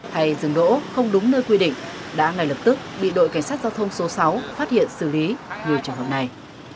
hay dừng đỗ không đúng nơi quy định đã ngay lập tức bị đội cảnh sát giao thông số sáu phát hiện xử lý như trường hợp này